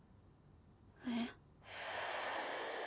えっ。